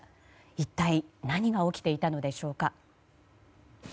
一体、何が起きていたのでしょうか。